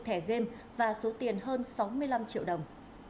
thẻ game và số tiền hơn sáu mươi năm triệu đồng